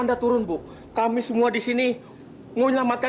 anakku kamu dimana nak